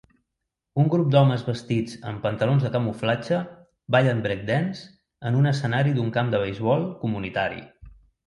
Un grup d'homes vestits amb pantalons de camuflatge ballen break dance en un escenari d'un camp de beisbol comunitari.